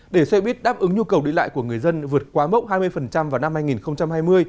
để xe buýt đáp ứng nhu cầu đi lại của người dân vượt quá mốc hai mươi vào năm hai nghìn hai mươi